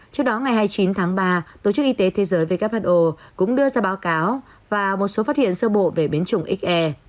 trước đó ngày hai mươi chín tháng ba tổ chức y tế thế giới who cũng đưa ra báo cáo và một số phát hiện sơ bộ về biến chủng xe